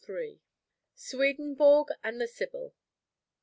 SWEDENBORG AND THE SIBYL.